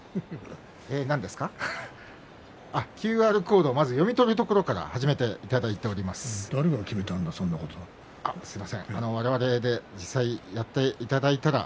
ＱＲコードを読み取るところからやっていただいています。